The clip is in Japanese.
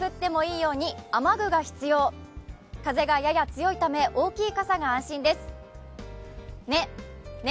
風がやや強いため大きい傘が安心です。